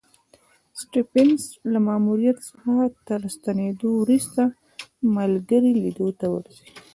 سټېفنس له ماموریت څخه تر ستنېدو وروسته ملګري لیدو ته ورځي.